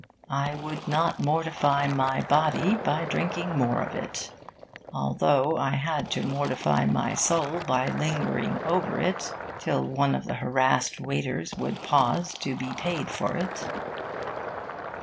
I would not mortify my body by drinking more of it, although I had to mortify my soul by lingering over it till one of the harassed waiters would pause to be paid for it.